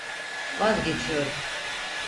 Vazgeçiyorum.